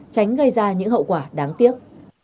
tránh gây ra những hậu quả đáng tiếc